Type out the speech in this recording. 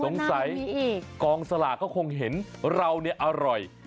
สงสัยกองสลากก็คงเห็นเราเนี่ยอร่อย